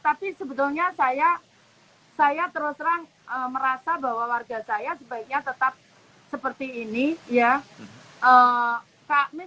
tapi sebetulnya saya terus terang merasa bahwa warga saya sebaiknya tetap seperti ini ya